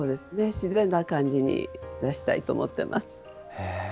自然な感じに出したいと思ってます。